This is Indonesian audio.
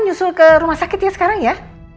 nyusul ke rumah sakit ya sekarang ya